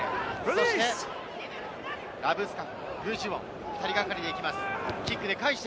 そしてラブスカフニ、具智元、２人がかりでいきます。